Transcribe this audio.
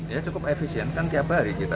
ya cukup efisien kan tiap hari kita